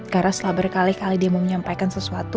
gara gara selama berkali kali dia mau menyampaikan sesuatu